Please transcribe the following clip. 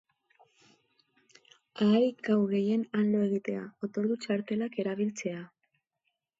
Ahalik gau gehien han lo egitea, otordu-txartelak erabiltzea...